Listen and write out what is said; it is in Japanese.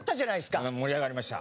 盛り上がりました。